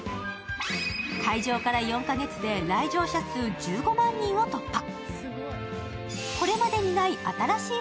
開場から４か月で、来場者数１５万人を突破。